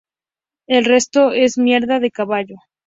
El resto es mierda de caballo.